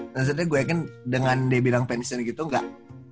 maksudnya gue yakin dengan dia bilang pensiun gitu gak